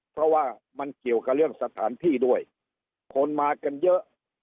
เพราะว่ามันเกี่ยวกับเรื่องสถานที่ด้วยคนมากันเยอะ